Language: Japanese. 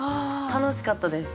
楽しかったです。